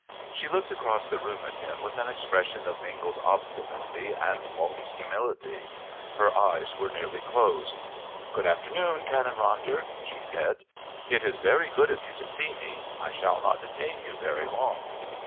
She looked across the room at him with an expression of mingled obstinacy and false humility. Her eyes were nearly closed. "Good afternoon, Canon Ronder," she said. "It is very good of you to see me. I shall not detain you very long."